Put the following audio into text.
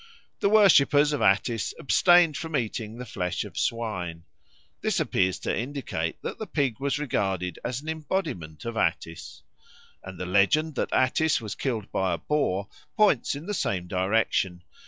The worshippers of Attis abstained from eating the flesh of swine. This appears to indicate that the pig was regarded as an embodiment of Attis. And the legend that Attis was killed by a boar points in the same direction.